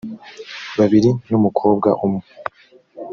babiri n umukobwa umwe